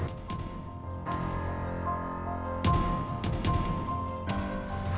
jadi perlu mc